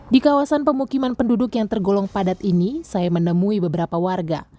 di kawasan pemukiman penduduk yang tergolong padat ini saya menemui beberapa warga